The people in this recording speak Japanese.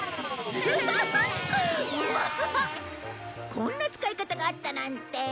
こんな使い方があったなんて。